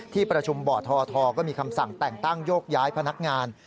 ที่ประชุมบ่อททก็มีคำสั่งแต่งตั้งโยกย้ายพนักงาน